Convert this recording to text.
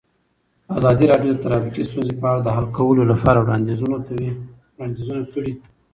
ازادي راډیو د ټرافیکي ستونزې په اړه د حل کولو لپاره وړاندیزونه کړي.